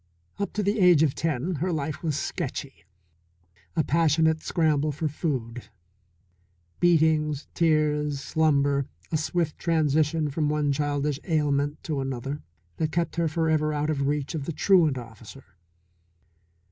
Up to the age of ten her life was sketchy. A passionate scramble for food, beatings, tears, slumber, a swift transition from one childish ailment to another that kept her forever out of reach of the truant officer.